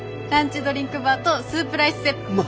ランチドリンクバーとスープライスセット。